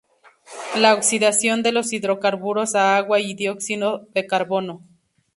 La oxidación de los hidrocarburos a agua y dióxido de carbono.